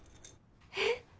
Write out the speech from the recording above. えっ？